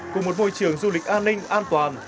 cùng một môi trường du lịch an ninh an toàn